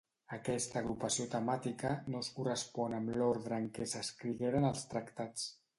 Aquesta agrupació temàtica no es correspon amb l'ordre en què s'escrigueren els tractats.